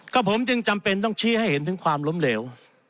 ก็ผมจึงจำเป็นต้องชี้ให้เห็นถึงความล้มเหลว